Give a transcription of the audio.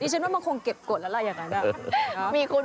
ใช่